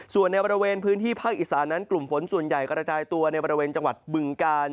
ส่วนในบริเวณพื้นที่ภาคอีสานั้นกลุ่มฝนส่วนใหญ่กระจายตัวในบริเวณจังหวัดบึงกาล